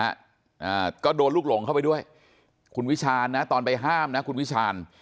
อ่าก็โดนลูกหลงเข้าไปด้วยคุณวิชาณนะตอนไปห้ามนะคุณวิชาญ